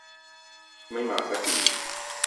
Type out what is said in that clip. ไม่มาซะที